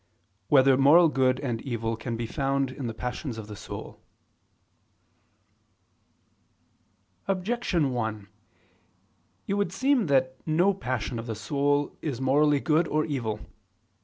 24, Art. 1] Whether Moral Good and Evil Can Be Found in the Passions of the Soul? Objection 1: It would seem that no passion of the soul is morally good or evil.